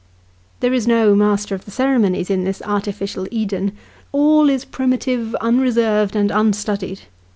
There is no master of the ceremonies in this artificial Eden all is primitive, unreserved, and unstudied.